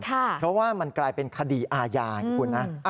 เพราะว่ามันกลายเป็นคดีอาญาไงคุณนะ